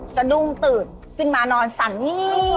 สนุกตื่นขึ้นมานอนสันนี